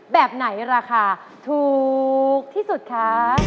แบบไหนราคาถูกที่สุดคะ